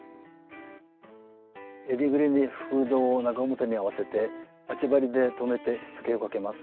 えりぐりにフードを中表に合わせて待ち針で留めてしつけをかけます。